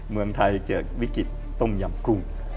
เมืองไทยเกิดวิกฤตต้มยำกุ้ง